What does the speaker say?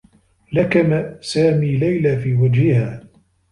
لكم سامي ليلى في وجهها.